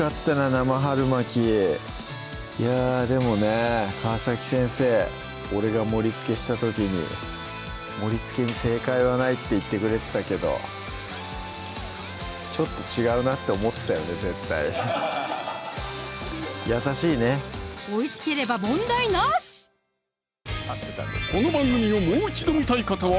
生春巻きいやでもね川先生俺が盛りつけした時に「盛りつけに正解はない」って言ってくれてたけど優しいねおいしければ問題なしこの番組をもう一度見たい方は